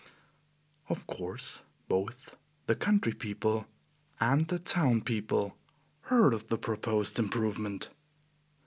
Of course, both the country people and the town people heard of the proposed improvement.